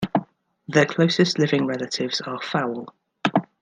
Their closest living relatives are fowl.